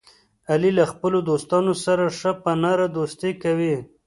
علي له خپلو دوستانو سره ښه په نره دوستي کوي.